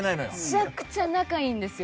めちゃくちゃ仲いいんですよ。